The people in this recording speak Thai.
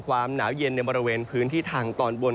ความหนาวเย็นในบริเวณพื้นที่ทางตอนบน